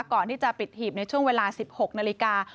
ก่อนที่จะปิดหีบในช่วงเวลา๑๖นาฬิกา